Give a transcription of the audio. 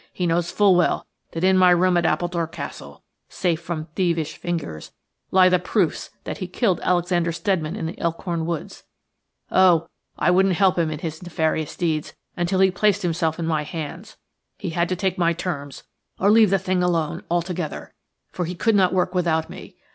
He knows full well that in my room at Appledore Castle, safe from thievish fingers, lie the proofs that he killed Alexander Steadman in the Elkhorn woods. Oh! I wouldn't help him in his nefarious deeds until he placed himself in my hands. He had to take my terms or leave the thing alone altogether, for he could not work without me.